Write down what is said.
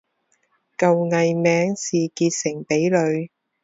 旧艺名是结城比吕。